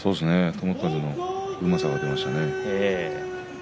友風のうまさが出ましたね。